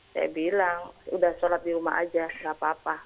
saya bilang sudah sholat di rumah aja nggak apa apa